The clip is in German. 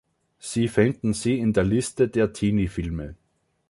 Sie finden sie in der Liste der Teenie-Filme.